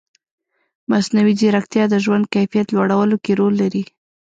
مصنوعي ځیرکتیا د ژوند کیفیت لوړولو کې رول لري.